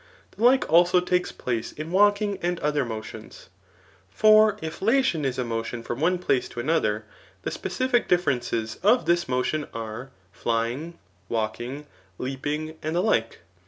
The like also takes place in walk ing and other motions. For if lation is a motion from one place to another, the specific differences of this mo tion are, flying, walking, leaping, and the like.